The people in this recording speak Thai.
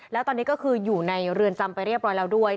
แล้วตอนนี้ก็คืออยู่ในเรือนจำไปเรียบร้อยแล้วด้วย